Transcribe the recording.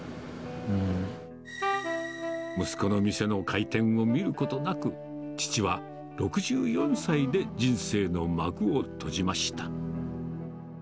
息子の店の開店を見ることなく、父は６４歳で人生の幕を閉じました。